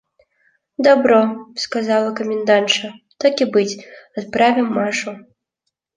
– Добро, – сказала комендантша, – так и быть, отправим Машу.